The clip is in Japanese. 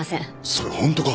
それホントか？